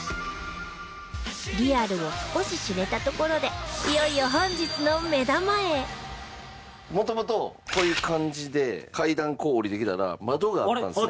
リアルを少し知れたところでもともとこういう感じで階段こう下りてきたら窓があったんですよ。